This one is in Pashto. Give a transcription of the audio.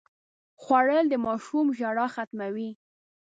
خوړل د ماشوم ژړا ختموي